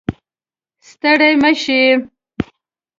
ستړې مه شې